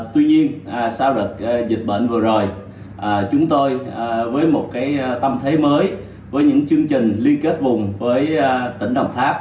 tuy nhiên sau đợt dịch bệnh vừa rồi chúng tôi với một tâm thế mới với những chương trình liên kết vùng với tỉnh đồng tháp